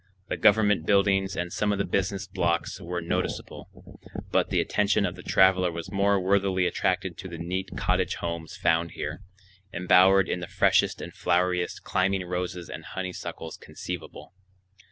The government buildings and some of the business blocks were noticeable, but the attention of the traveler was more worthily attracted to the neat cottage homes found here, embowered in the freshest and floweriest climbing roses and honeysuckles conceivable.